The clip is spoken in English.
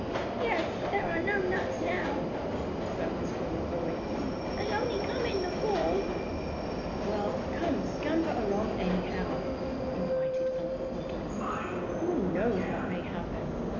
"Yes, but there are no nuts now," spoke the squirrel boy. "They only come in the Fall." "Well, come, scamper along, anyhow," invited Uncle Wiggily. "Who knows what may happen?